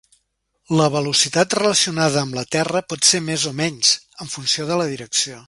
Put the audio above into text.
La velocitat relacionada amb la terra pot ser més o menys, en funció de la direcció.